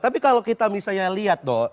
tapi kalau kita misalnya lihat dok